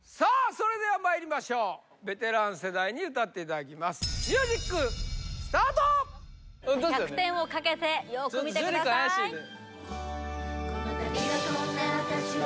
それではまいりましょうベテラン世代に歌っていただきます１００点をかけてよく見てください樹君怪しいね